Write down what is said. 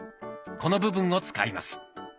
この部分を使います。